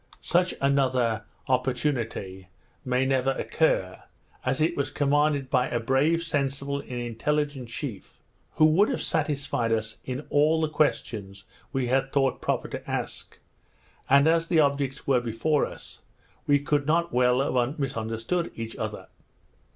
Such another opportunity may never occur; as it was commanded by a brave, sensible, and intelligent chief, who would have satisfied us in all the questions we had thought proper to ask; and as the objects were before us, we could not well have misunderstood each other.